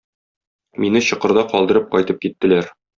Мине чокырда калдырып кайтып киттеләр.